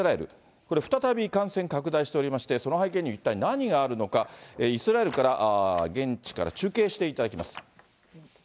これ、再び感染拡大しておりまして、その背景には一体何があるのか、イスラエルから現地から中継していただきます。